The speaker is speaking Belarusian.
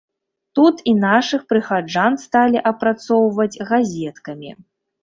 Тут і нашых прыхаджан сталі апрацоўваць газеткамі.